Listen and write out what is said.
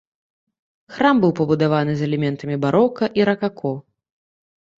Храм быў пабудаваны з элементамі барока і ракако.